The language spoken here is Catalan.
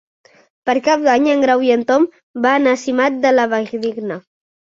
Per Cap d'Any en Grau i en Tom van a Simat de la Valldigna.